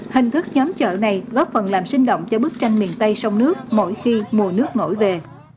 hình thức nhóm chợ này góp phần làm sinh động cho bức tranh miền tây sông nước mỗi khi mùa nước nổi về